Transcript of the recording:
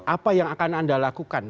apa yang akan anda lakukan